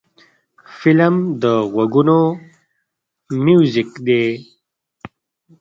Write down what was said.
فلم د غوږونو میوزیک دی